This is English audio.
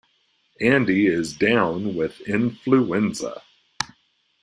Andy is down with influenza.